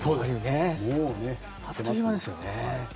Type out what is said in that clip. もうあっという間ですよね。